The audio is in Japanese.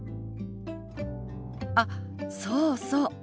あっそうそう。